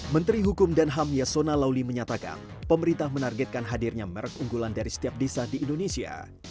menteri hukum dan ham yasona lawli menyatakan pemerintah menargetkan hadirnya merek unggulan dari setiap desa di indonesia